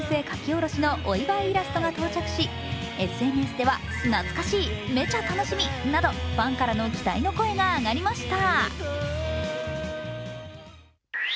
下ろしのお祝いイラスト到着しＳＮＳでは懐かしい、めちゃ楽しみなど、ファンからの期待の声が上がりました。